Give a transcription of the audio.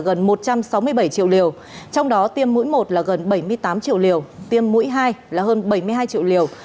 tổng số tiêm là gần một trăm sáu mươi bảy triệu liều trong đó tiêm mũi một là gần bảy mươi tám triệu liều tiêm mũi hai là hơn bảy mươi hai triệu liều